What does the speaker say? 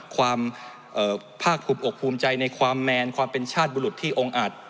ความภาคถูกออกภูมิใจในความแมนความเป็นชาติบุรุษที่องอาจ